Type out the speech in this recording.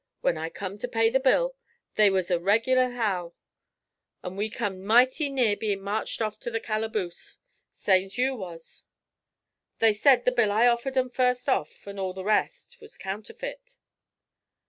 When I come to pay the bill, they was a reg'lar howl, an' we come mighty near bein' marched off to the calaboose, same's you was. They said the bill I offered 'em first off, an' all the rest, was counterfeit.'